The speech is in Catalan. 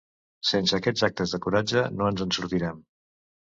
Sense aquests actes de coratge no ens en sortirem.